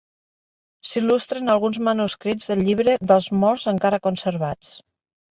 S'il·lustren alguns manuscrits del Llibre dels Morts encara conservats.